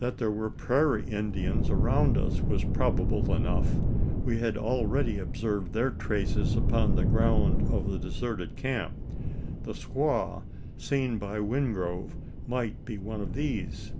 That there were prairie Indians around us, was probable enough. We had already observed their traces upon the ground of the deserted camp. The "squaw" seen by Wingrove might be one of these.